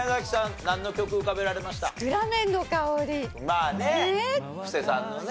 まあね布施さんのね。